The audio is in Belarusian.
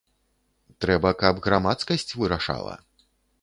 Трэба, каб грамадскасць вырашала.